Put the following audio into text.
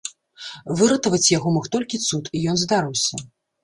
Выратаваць яго мог толькі цуд, і ён здарыўся.